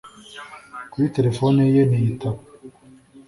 kuri telefoni ye ntiyitaba